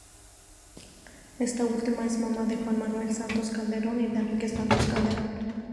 Esta última es mamá de Juan Manuel Santos Calderón y de Enrique Santos Calderón.